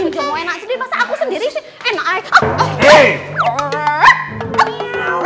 jangan mau enak sendiri masa aku sendiri sih